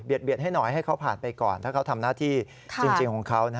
เบียดให้หน่อยให้เขาผ่านไปก่อนถ้าเขาทำหน้าที่จริงของเขา